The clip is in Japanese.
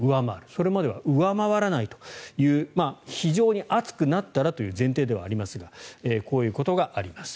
それまでは上回らないという非常に暑くなったらという前提ではありますがこういうことがあります。